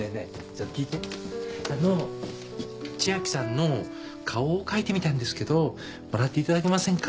「あのう千明さんの顔を描いてみたんですけどもらっていただけませんか？」